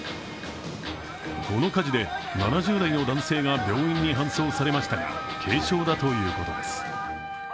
この火事で７０代の男性が病院に搬送されましたが、軽傷だということです。